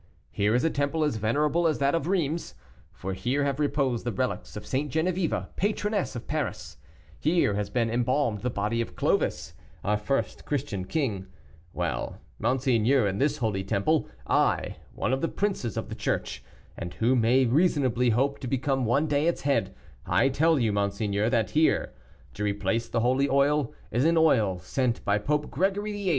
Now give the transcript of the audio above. Here is a temple as venerable as that of Rheims; for here have reposed the relics of St Geneviève, patroness of Paris; here has been embalmed the body of Clovis, our first Christian king; well, monseigneur, in this holy temple, I, one of the princes of the Church, and who may reasonably hope to become one day its head, I tell you, monseigneur, that here, to replace the holy oil, is an oil sent by Pope Gregory XIII.